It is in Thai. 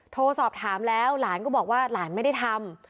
โทรสอบถามแล้วหลานก็บอกว่าหลานไม่ได้ทำ